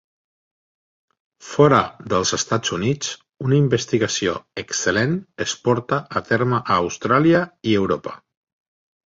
Fora dels Estats Units, una investigació excel·lent es porta a terme a Austràlia i Europa.